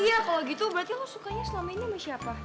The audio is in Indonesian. iya kalau gitu berarti aku sukanya selama ini sama siapa